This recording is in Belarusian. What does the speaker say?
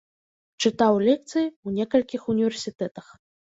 Чытаў лекцыі ў некалькіх універсітэтах.